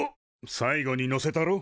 最後にのせたろ？